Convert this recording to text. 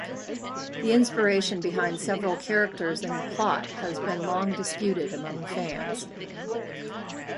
The inspiration behind several characters in the plot has been long disputed among fans.